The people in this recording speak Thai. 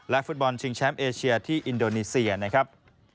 ฟุตบอลชิงแชมป์เอเชียที่อินโดนีเซียนะครับ